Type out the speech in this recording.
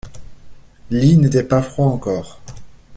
Lî n’était pas froid encore.